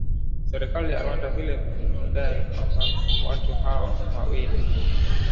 Serikali ya Rwanda vile vile imedai kwamba watu hao wawili